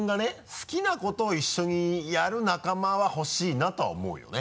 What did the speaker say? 好きなことを一緒にやる仲間はほしいなとは思うよね。